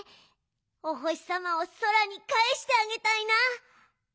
おほしさまをそらにかえしてあげたいな。